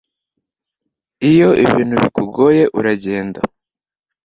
iyo ibintu bikugoye uragenda